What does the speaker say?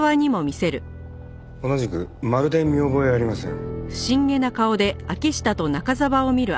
同じくまるで見覚えありません。